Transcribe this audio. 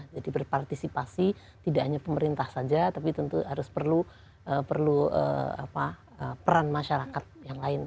jadi berpartisipasi tidak hanya pemerintah saja tapi tentu harus perlu peran masyarakat yang lain